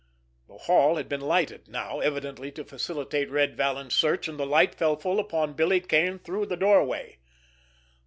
The hall had been lighted now, evidently to facilitate Red Vallon's search, and the light fell full upon Billy Kane through the doorway.